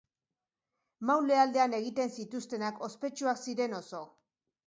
Maule aldean egiten zituztenak ospetsuak ziren oso.